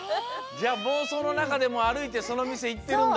じゃもうそうのなかでもあるいてそのみせいってるんだ！